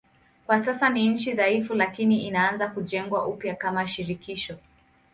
Kwa sasa ni nchi dhaifu lakini inaanza kujengwa upya kama shirikisho.